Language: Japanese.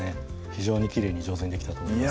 非常にきれいに上手できたと思います